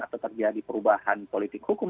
atau terjadi perubahan politik hukum